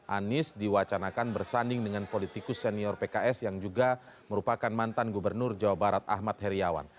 anies diwacanakan bersanding dengan politikus senior pks yang juga merupakan mantan gubernur jawa barat ahmad heriawan